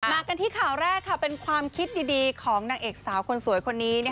มากันที่ข่าวแรกเป็นความคิดดีของนางเอกสาวคนสวยคนนี้